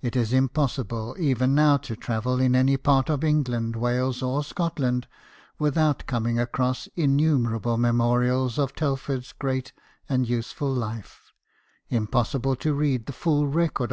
It is impossible, even now, to travel in any part of England, Wales, or Scotland, without coming across innumerable memorials of Telford's great and useful life ; impossible to read the full record of THOMAS TELFORD, STONEMASON.